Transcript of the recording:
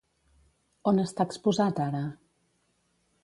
On està exposat ara?